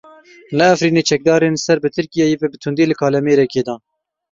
Li Efrînê çekdarên ser bi Tirkiyeyê ve bi tundî li kalemêrekî dan.